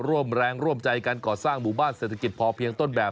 ร่วมแรงร่วมใจการก่อสร้างหมู่บ้านเศรษฐกิจพอเพียงต้นแบบ